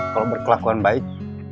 kalau berkelakuan baik